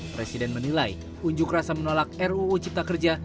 presiden menilai unjuk rasa menolak ruu cipta kerja